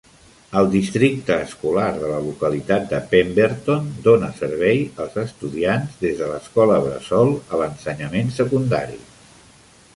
El districte escolar de la localitat de Pemberton dóna servei als estudiants des de l'escola bressol a l'ensenyament secundari.